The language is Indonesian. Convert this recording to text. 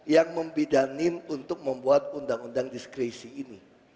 yang membidanin untuk membuat undang undang diskresi ini